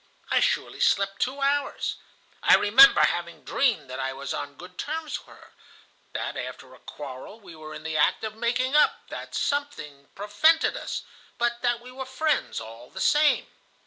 I surely slept two hours. I remember having dreamed that I was on good terms with her, that after a quarrel we were in the act of making up, that something prevented us, but that we were friends all the same.